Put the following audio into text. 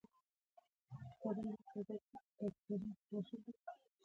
کیڼ لوري ته ګرځئ